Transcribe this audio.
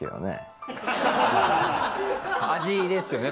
味ですよね